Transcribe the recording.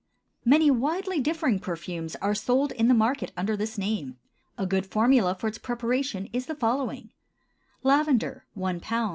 Many widely differing perfumes are sold in the market under this name; a good formula for its preparation is the following: Lavender 1 lb.